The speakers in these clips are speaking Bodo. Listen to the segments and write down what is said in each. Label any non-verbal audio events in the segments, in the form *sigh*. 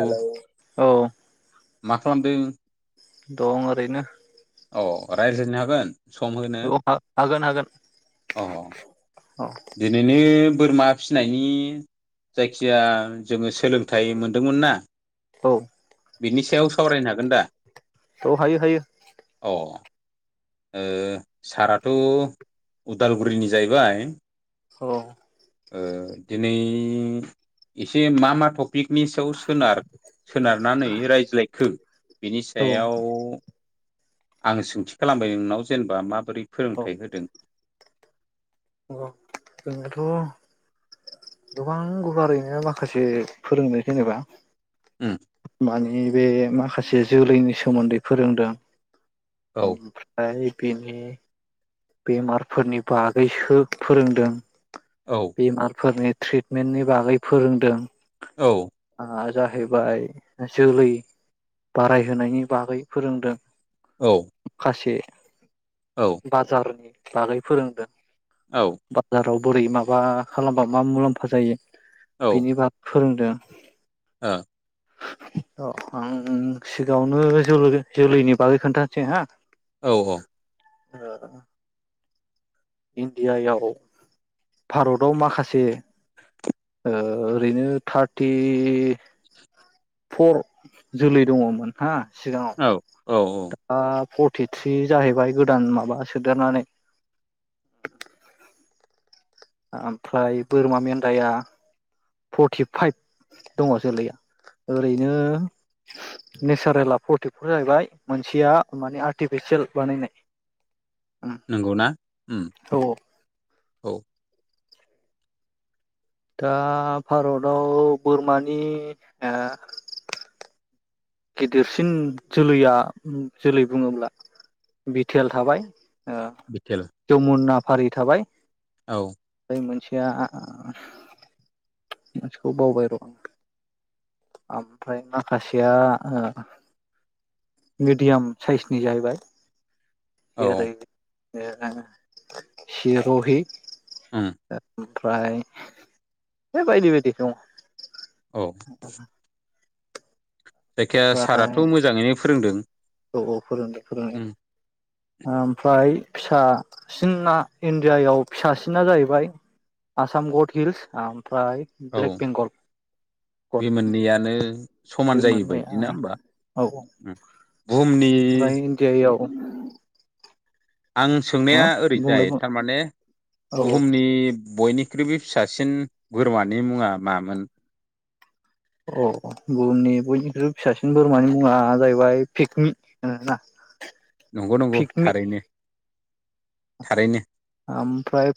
हेलौ औ मा खालामदों? दं ओरैनो। अ रायलानो हागोन। सम होनो औ हागोन हागोन औ। दिनैनो बोरमा फिसिनायनि जायखिया जोंङो सोलोंथाइ मोनदोंमोन ना? औ बिनि सायाव सावरायनो हागोन दा? थ' हायो हायो। औ ओ साराथ' उदालगुरिनि जाहैबाय अ ओ दिनै एसे मा मा थप पिकनिसआव सोनार सोनारनानै रायज्लायखो बिनि औ सायाव आं सोंथि खालामबाय नोंनाव जेनेबा माबोरै फोरोंथाइ होदों जोंङोथ' गोबां गुवारैनो माखासे फोरोंनो जेनेबा उम मानि बे माखासे जोलैनि सोमोन्दै फोरोंदों औ ओय बिनि बेमारफोरनि बागैसो फोरोंदों औ बेमारफोरनि ट्रिटमेन्टनि बागै फोरोंदों औ जाहैबाय जोलै बारायहोनायनि बागै फोरोंदों औ खासे औ सार बागै फोरोंदों औ। बाजाराव बोरै माबा खालामबा मा मुलाम्फा जायो औ बेनि बाग फोरोंदों। ओ। अ आं सिगाङावनो जोलै-जोलैनि बागै खोन्थानोसै हा। औ औ। ओ। इण्डियायाव भारतआव माखासे ओरैनो थार्टि फर जोलै दङमोन हा सिगाङाव। औ औ औ। आ फरटिथ्रि जाहैबाय गोदान माबा सोदेरनानै। ओमफ्राय बोरमा मेन्दाया फर्टिफाइभ दङ जोलैया। ओरैनो नेचारेला फरटिफर जाहैबाय मोनसेया माने आर्टिफिसियेल बानायनाय। नोंगौ ना उम। औ औ। औ दा भारताव बोरमानि ओ गेदेरसिन जोलैया जोलै बुङोब्ला बिटिल थाबाय। ओ बिथेल। जमुना फारि थाबाय। औ। बै मोनसेया मोनसेखौ बावबाय र' आं। ओमफ्राय माखासेया ओ मिडियाम साइसनि जाहैबाय। औ जेरै ओ सिर'हि उम। ओमफ्राय बे बायदि बायदि दं। औ। जायखिजाया साराथ' ओमफ्राय मोजाङैनो फोरोंदों। औ औ फोरोंदो फोरोंनाया। उम ओमफ्राय फिसासिनना इण्डियायाव फिसासिना जाहैबाय आसाम गड हिल्स ओमफ्राय औ ब्लेक बेंगल गद उम। जानो बे मोननैया औ औ उम बुहुमनि ओमफ्राय इण्डियायाव आं हो सोंनाया बुंलाय ओरैजाय बुं थारमाने औ बुहुमनि बयनिख्रुइबो फिसासिन बोरमानि मुङा मामोन? अ बुहुमनि बयनिख्रुइबो फिसासिन बोरमानि मुङा जाहैबाय पिकनिक होनोना। नंगौ नंगौ थारैनो थारैनो। ओमफ्राय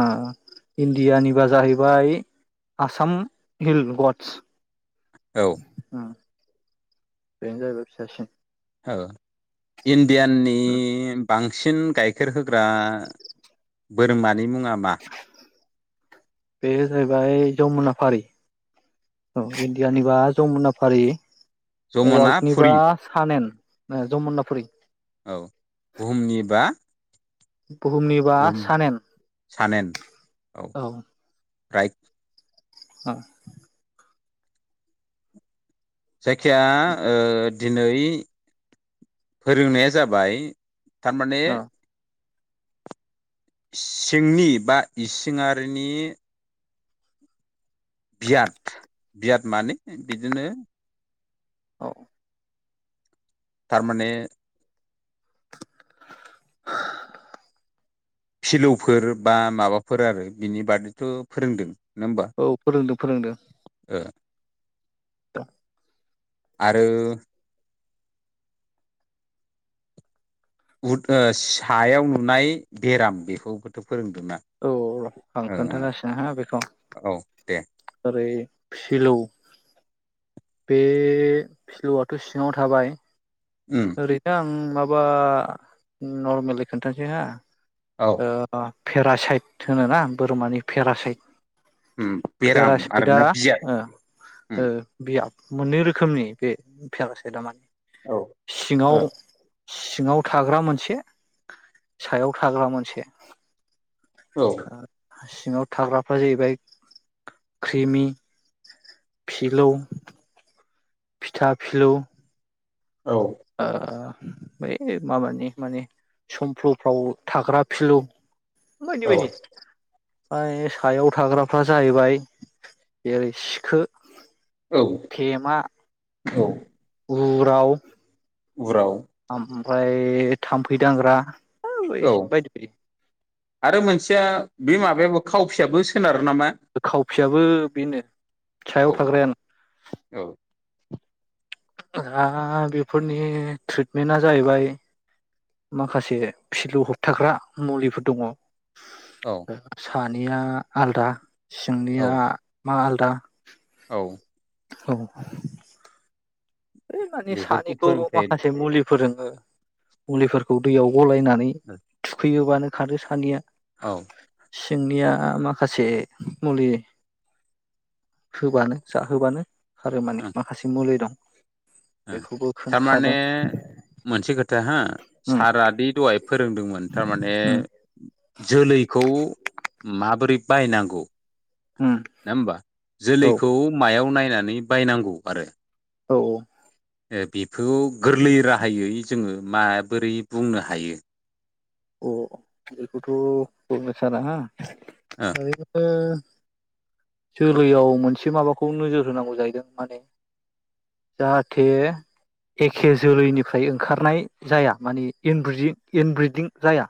ओ इण्डियानिबा जाहैबाय आसाम हिल गडस। औ। उम बेनो जाहैबाय फिसासिन। औ इण्डियाननि बांसिन गाइखेर होग्रा बोरमानि मुङा मा? बे जाहैबाय जमुनाफारि। औ इण्डियानि बा जमुनाफारि। जमुना वर्ल्डनिबा फुरि सानेन जमनाफुरि। औ बुहुमनिबा बुहुमनि बुहुम सानेन औ राइट उम जायखिया ओ दिनै फोरोंनाया जाबाय थारमाने औ सिंनि बा इसिङारिनि बियाद बियाद माने बिदिनो थारमाने फिलौफोर बा माबाफोर आरो बिनि बागैथ' फोरोंदों नङा होमबा? औ फोरोंदों फोरोंदों। ओ *inaudible* आरो बुहुत‌ सायाव नुनाय बेराम बेखौबोथ' फोरोंदोंना। औ आं ओ खोन्थागासिनो हा बेखौ औ दे ओरै फिलौ बे फिलौआथ' सिङाव थाबाय। उम ओरैनो आं माबा नरमेलै खोन्थानोसै हा औ ओ पेरासाइट होनोना बोरमानि पेरासाइट उम बेराम पेरासाइता आरोना बियाद ओ उम ओ बियाब मोननै रोखोमनि बे फेरासाइदा मा औ ओ औ सिङाव सिङाव थाग्रा मोनसे सायाव थाग्रा मोनसे। औ। सिङाव थाग्राफ्रा जाहैबाय क्रिमि फिलौ फिथा फिलौ। औ। ओ बै माबानि माने समफ्लफ्राव थाग्रा फिलौ बायदि औ बायदि। ओमफाय सायाव थाग्राफ्रा जाहैबाय जेरै सिखो। औ। थेमा, औ उराव। उराव। ओमफ्राय थाम्फै दांग्रा *unintelligible* औ बायदि बायदि। आरो मोनसेया बे माबायाबो खावफियाबो सोनारो नामा? खावफियाबो बेनो सायाव औ थाग्रायानो। औ दा बेफोरनि ट्रिटमेन्टआ जाहैबाय माखासे फिलौ होबथाग्रा मुलिफोर दङ। औ सानिया आलदा औ सिंनिया मा आलदा। औ औ है माने बेफोरखौ सानिखौ फोरोंथाय माखासे मुलिफोरजोंनो मुलिफोरखौ दैयाव गलायनानै थुखैयोबानो खारो सानिया। औ सिंनिया माखासे मुलि होबानो जाहोबानो खारो माने माखासे मुलि दं। उम बेखौबो थारमाने खोन्थाखादों मोनसे खोथा हा उम सार रादि दहाय फोरोंदोंमोन थारमाने उम जोलैखौ माबोरै बायनांगौ उम नङा होमबा औ जोलैखौ मायाव नायनानै बायनांगौ आरो औ औ बेखौ गोरलै राहायै जोङो माबोरै बुंनो हायो अ बेखौथ' बुंनो साना हा औ ओरैनोथ' जोलैआव मोनसे माबाखौ नोजोर होनांगौ जाहैदों माने जाहाथे एखे जोलैनिफ्राय ओंखारनाय जाया मानि इनब्रिदिं इनब्रिदिं जाया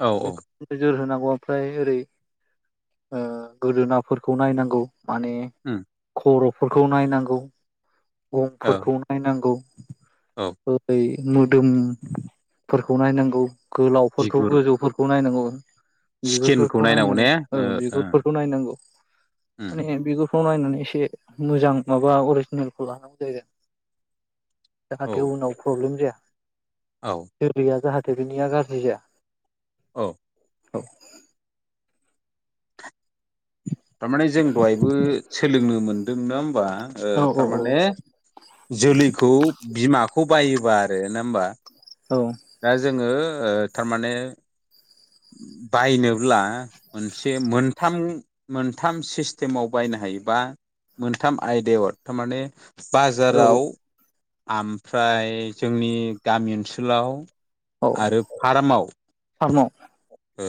औ नोजोर होनांगौआ ओमफ्राय ओरै ओ गोदोनाफोरखौ नायनांगौ माने उम खर'फोरखौ नायनांगौ औ गंफोरखौ नायनांगौ औ बै मोदोमफोरखौ नायनांगौ गोलावफोरखौ बिगुर गोजौफोर खौ नायनांगौ स्किनखौ बिगुरफोरखौ नायनांगौ ने ओ ओ बिगुरफोरखौ नायनांगौ उम माने बिगुर खौ नायनानै एसे मोजां माबा अरिजिनेलखौ लानांगौ जायो औ जाहाथे उनाव प्रब्लेम जाया औ जोलैया जाहाथे बेनिया गाज्रि जाया औ औ थारमाने जों दहायबो सोलोंनो मोनदों नङा होमबा ओ औ औ थारमाने जोलैखौ बिमाखौ बायोबा आरो नङा होनबा? औ दा जोङो ओ थारमाने बायनोब्ला मोनसे मोनथाम मोनथाम सिस्टेमाव बायनो हायोबा मोनथाम आयदायाव थारमाने औ बाजाराव ओमफ्राय जोंनि गामि ओनसोलाव औ आरो फार्माव फार्माव ओ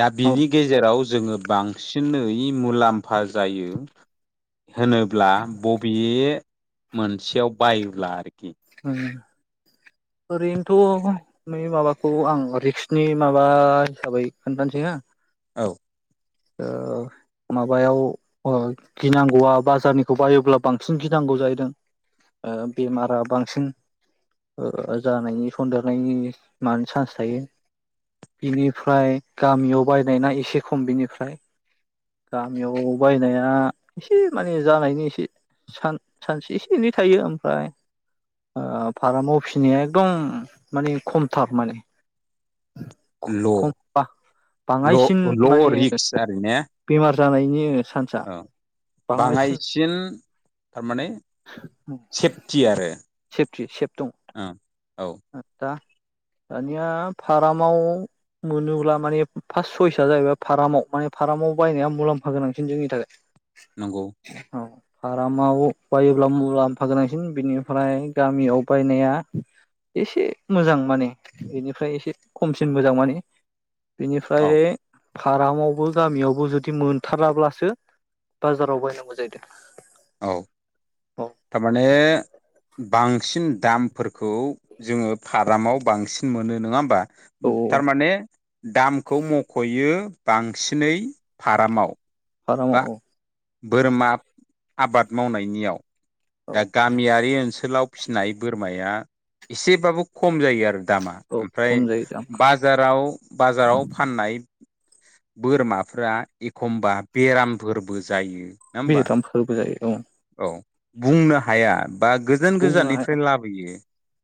दा औ बिनि गेजेराव जोङो बांसिनै मुलाम्फा जायो होनोब्ला बबे मोनसेयाव बायोब्ला आरोखि ओ ओरैनोथ' बे माबाखौ आं रिक्सनि माबा हिसाबै खोन्थानोसै हा औ ओ माबायाव अ गिनांगौआ बाजारनिखौ बायोब्ला बांसिन गिनांगौ जाहैदों ओ बेमारा बांसिन ओ जानायनि सन्देरनायनि मानो चान्स थायो बिनिफ्राय गामियाव बायनायना एसे खम बिनिफ्राय गामियाव बायनाया एसे माने जानायनि एसे सान-सानसे एसे एनै थायो ओमफ्राय ओ फारामाव फिसिनाया एकदम माने खमथार माने खम ल' बा ल' बाङायसिन माने ल' रिक्स आरि ने बेमार जानायनि सान औ बाङायसिन थारमाने सेफटि आरो ओं औ आ दा दानिया फारामाव मोनोब्ला माने फार्स्ट सयसा जाहैबाय फारामाव माने फार्ामाव बायनाया मुलाम्फा गोनांसिन जोंनि थाखाय नंगौ औ। फार्ामाव बायोब्ला मुलाम्फा गोनांसिन बिनिफ्राय गामियाव बायनाया एसे मोजां माने बेनिफ्राय एसे खमसिन मोजां माने औ बेनिफ्राय फारामावबो गामियावबो जुदि मोनथाराब्लासो बाजाराव बायनांगौ जाहैदों औ औ थारमाने बांसिन दामफोरखौ जोङो फारामाव बांसिन मोनो नङा होमबा औ औ थारमाने दामखौ मख'यो बांसिनै फारामाव फारमाव बा औ बोरमा आबाद मावनायनियाव औ दा गामियारि ओनसोलाव फिसिनाय बोरमाया एसेबाबो खम जायो आरो दामा औ ओमफ्रायाज खम जायो दामा बाराव बाजाराव फाननाय बोरमाफोरा्रा एखमबा बेरामफोरबो जायो होमबा बेराम फोरबो जायो औ औ बुंनो हाया बा गोजान बुंनो गोजाननिफ्राय हाया लाबोयो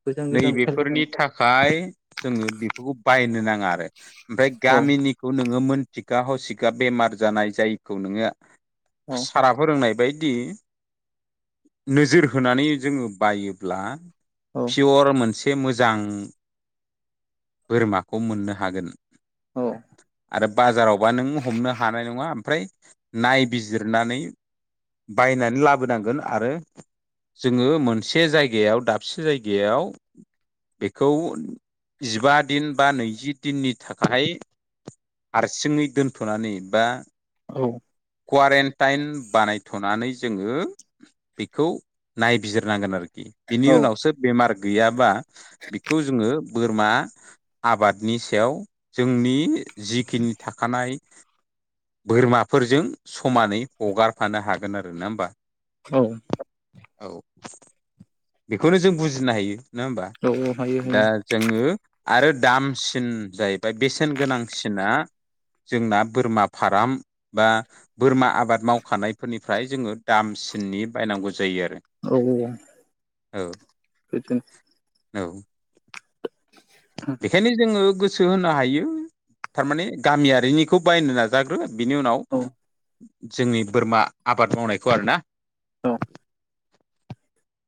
गोजान गोजाननिफ्राय नैबेफोरनि लाबोनायाव थाखाय हाय जोङो बेफोरखौ बायनो नाङा आरो ओमफ्राय औ गामिनि खौ नोङो मोनथिखा हसिखा बेमार जानाय जायखौ नोङो औ सारा फोरोंनाय बायदि नोजोर होनानै जोङो बायोब्ला पियर मोनसे एसे मोजां बोरमाखौ मोननो हागोन औ। आरो बाजारावबा नों हमनो हानाय नङा ओमफ्राय नायबिजिरनानै बायनानै लाबो ोनांगोन आरो जोङो मोनसे जायगायाव दाबसे जायगायाव बेखौ जिबा दिन बा नैजि दिननि थाखाय हारसिङै दोनथ'नानै बा औ कवारेन्टाइन बानायथ'नानै जोङो बेखौ नायबिजिरनांगोन आरोखि बिनि औ उनावसो बेमार गैयाबा बेखौ जोङो बोरमा आबादनि सायाव जोंनि जिखिनि थाखानाय बोरमाफोरजों समानै हगारफानो हागोन आरो ना होमबा औ औ बेखौनो जों बुजिनो हायो नङा हबा औ हायो दा हायो जोङो आरो दामसिन जाहैबाय बेसेन गोनांसिना जोंना बोरमा फार्म बा बोरमा आबाद मावखानायफोरनिफ्राय जोङो दामसे थननि बायनांगौ जायो आरो औ औ बिदिनो औ औ बेखायनो जोङो ो होनो हायो थारम गामियारिनिखौ बायनो नाजाग्रो बिनि उनाव औ जोंनि बोरमा आबाद मावनायखौ आरो ना औ